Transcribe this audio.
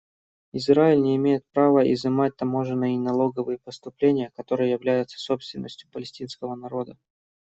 Израиль не имеет права изымать таможенные и налоговые поступления, которые являются собственностью палестинского народа.